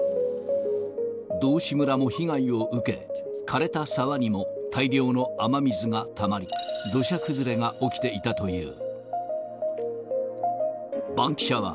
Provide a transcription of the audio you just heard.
道志村も被害を受け、かれた沢にも大量の雨水がたまり、土砂崩れが起きていたという。